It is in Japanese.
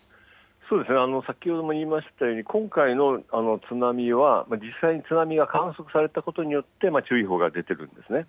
そうですね、先ほども言いましたように、今回の津波は、実際に津波が観測されたことによって、注意報が出ているんですね。